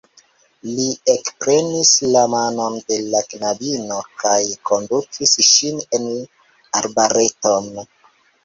Li ekprenis la manon de la knabino kaj kondukis ŝin en arbareton.